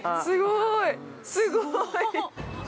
すごい。